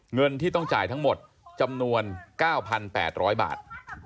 เงินที่ต้องจ่ายทั้งหมดจำนวน๙๘๐๐บาท